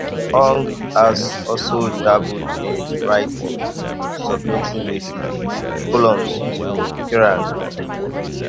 Haug has also dabbled in writing, submitting music columns to Kerrang!